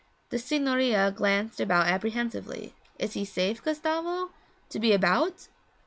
The signorina glanced about apprehensively. 'Is he safe, Gustavo to be about?'